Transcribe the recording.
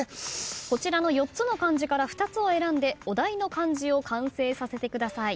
こちらの４つの漢字から２つを選んでお題の漢字を完成させてください。